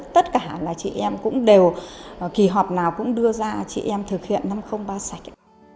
tất cả là chị em cũng đều kỳ họp nào cũng đưa ra chị em thực hiện năm trăm linh ba sạch ạ